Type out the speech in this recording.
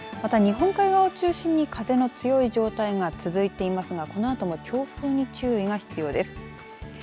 また日本海側を中心に風の強い状態が続いていますがこのあとも強風に注意が必要です。